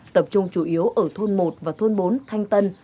tập trung chủ yếu ở thôn một và thôn bốn thanh tân